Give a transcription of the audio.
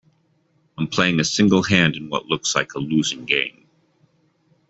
I'm playing a single hand in what looks like a losing game.